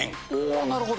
なるほど。